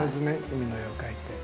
海の絵を描いて。